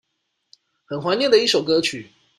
很懷念的一首歌曲